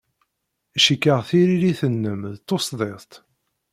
Cikkeɣ tiririt-nnem d tusdidt.